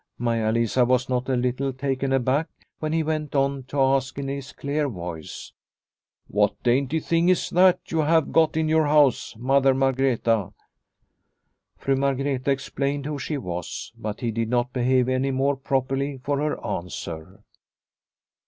Maia Lisa was not a little taken aback when he went on to ask in his clear voice :" What dainty thing is this that you have got in your house, Mother Margreta ?'' Fru Margreta ex plained who she was, but he did not behave any more properly for her answer.